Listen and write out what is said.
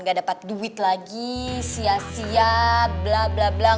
gak dapat duit lagi sia sia bla bla bla b